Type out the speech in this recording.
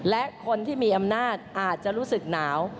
และคนที่มีอำนาจอาจจะรู้สึกหนาว